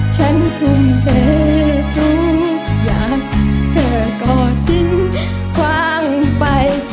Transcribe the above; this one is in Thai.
ฉันทุ่มเธอทิ้งอย่างเธอก็ทิ้งคว่างไป